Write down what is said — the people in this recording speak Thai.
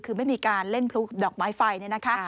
คือไม่มีการเล่นพลุดอกไม้ไฟเนี่ยนะคะ